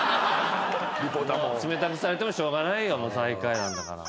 冷たくされてもしょうがないよ最下位なんだから。